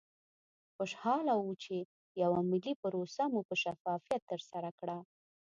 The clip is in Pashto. خوشحاله وو چې یوه ملي پروسه مو په شفافیت ترسره کړه.